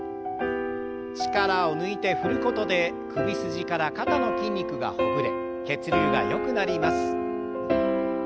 力を抜いて振ることで首筋から肩の筋肉がほぐれ血流がよくなります。